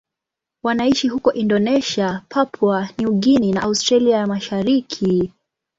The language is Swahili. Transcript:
Wanaishi huko Indonesia, Papua New Guinea na Australia ya Mashariki.